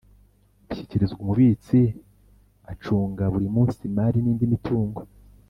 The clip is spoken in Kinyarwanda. bishyikirizwa umubitsi acunga buri munsi imari n’ indi mitungo